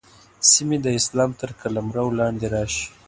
سیمې د اسلام تر قلمرو لاندې راشي.